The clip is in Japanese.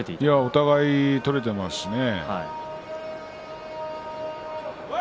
お互いに取れていますしね。